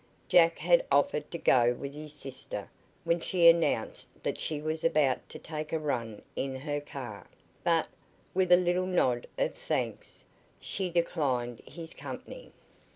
Jack had offered to go with his sister when she announced that she was about to take a run in her car, but, with a little nod of thanks, she declined his company.